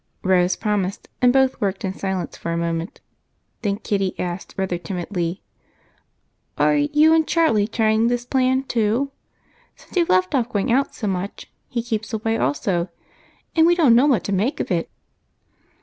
Rose promised, and both worked in silence for a moment, then Kitty asked rather timidly: "Are you and Charlie trying this plan too? Since you've left off going out so much, he keeps away also, and we don't know what to make of it."